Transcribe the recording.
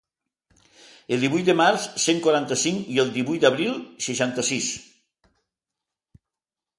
El divuit de març, cent quaranta-cinc, i el divuit d’abril, seixanta-sis.